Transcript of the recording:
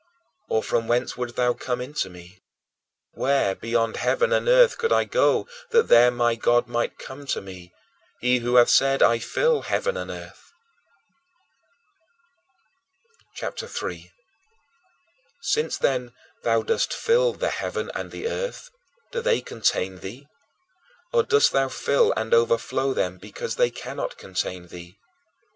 Or from whence wouldst thou come into me? Where, beyond heaven and earth, could I go that there my God might come to me he who hath said, "I fill heaven and earth"? CHAPTER III 3. Since, then, thou dost fill the heaven and earth, do they contain thee? Or, dost thou fill and overflow them, because they cannot contain thee?